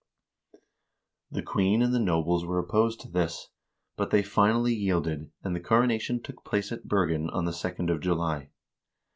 The queen and the nobles were opposed to this, but they finally yielded, and the coronation took place at Bergen on the 2d of July.